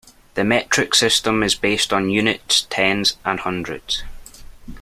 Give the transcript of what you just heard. The metric system is based on units, tens and hundreds